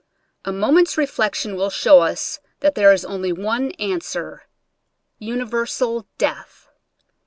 A moment's reflec tion will show us that there is only one an swer — universal death.